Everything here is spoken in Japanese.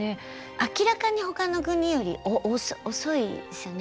明らかにほかの国より遅いですよね。